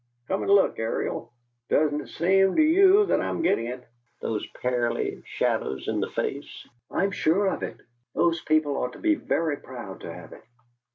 Come and look, Ariel. Doesn't it seem to you that I'm getting it? Those pearly shadows in the flesh " "I'm sure of it. Those people ought to be very proud to have it."